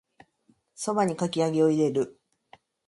蕎麦にかき揚げを入れる